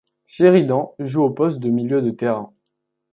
Sheridan joue au poste de milieu de terrain.